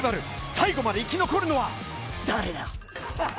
最後まで生き残るのは誰だ。